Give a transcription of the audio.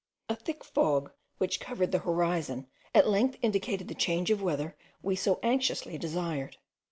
A thick fog, which covered the horizon, at length indicated the change of weather we so anxiously desired.